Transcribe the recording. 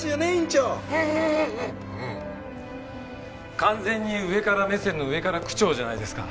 完全に上から目線の上から口調じゃないですか。